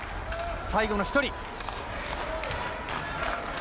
最後の１人。